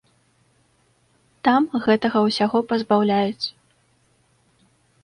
Там гэтага ўсяго пазбаўляюць.